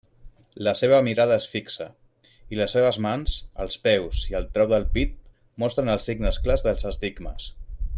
La seva mirada és fi xa, i les seves mans, els peus i el trau del pit mostren els signes clars dels estigmes.